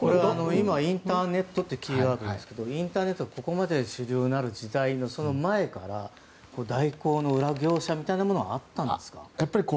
今、インターネットってキーワードですけどインターネットがここまで主流になる時代のその前から代行の裏業者みたいなものはあったんですか？